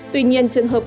tuy nhiên trường hợp